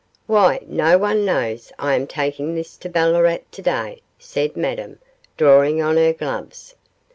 'Why, no one knows I am taking this to Ballarat to day,' said Madame, drawing on her gloves.